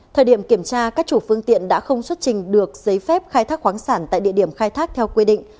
thời điểm kiểm tra các chủ phương tiện đã không xuất trình được giấy phép khai thác khoáng sản tại địa điểm khai thác theo quy định